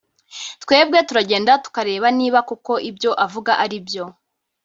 twebwe turagenda tukareba niba koko ibyo avuga ari byo